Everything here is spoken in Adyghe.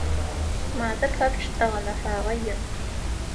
Мазэ пэпчъ цӏэ гъэнэфагъэ иӏ.